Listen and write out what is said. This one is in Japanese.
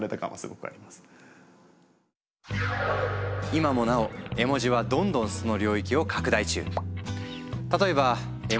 今もなお絵文字はどんどんその領域を拡大中。